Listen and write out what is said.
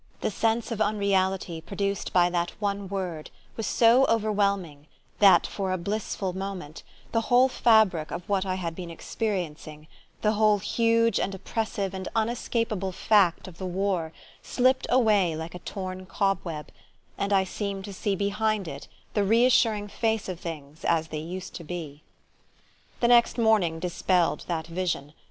The sense of unreality produced by that one word was so overwhelming that for a blissful moment the whole fabric of what I had been experiencing, the whole huge and oppressive and unescapable fact of the war, slipped away like a torn cobweb, and I seemed to see behind it the reassuring face of things as they used to be. The next morning dispelled that vision.